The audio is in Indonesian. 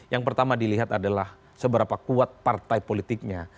yang pertama dilihat adalah seberapa kuat partai politiknya